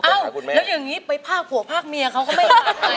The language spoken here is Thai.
แล้วอย่างนี้ไปพากผัวพากเมียเขาก็ไม่ตาย